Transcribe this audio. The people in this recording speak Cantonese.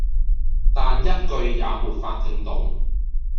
但一句也沒法聽懂